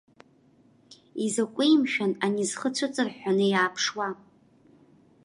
Изакәи, мшәан, ани зхы цәыҵырҳәҳәаны иааԥшуа?!